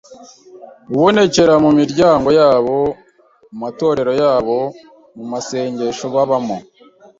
Ubonekera mu miryango yabo, mu matorero yabo, mu masengesho babamo,